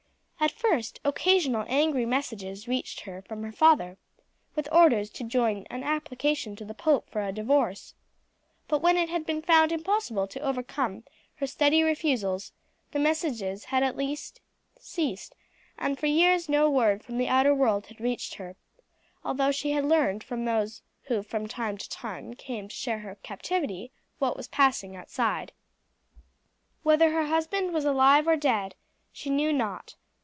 At first occasional angry messages reached her from her father, with orders to join an application to the pope for a divorce; but when it had been found impossible to overcome her steady refusals the messages had at last ceased, and for years no word from the outer world had reached her, although she had learned from those who from time to time came to share her captivity what was passing outside. Whether her husband was alive or dead she knew not.